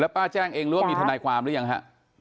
ป้าแจ้งเองหรือว่ามีทนายความหรือยังฮะ